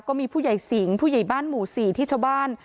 ก็มีผู้ใหญ่สิงห์ผู้ใหญ่บ้านหมู่๔ที่ชาวบ้าน